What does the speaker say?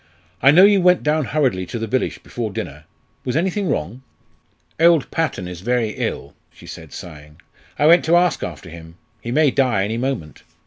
"I know you went down hurriedly to the village before dinner. Was anything wrong?" "Old Patton is very ill," she said, sighing. "I went to ask after him; he may die any moment.